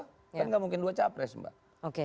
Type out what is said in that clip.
kan nggak mungkin dua capres mbak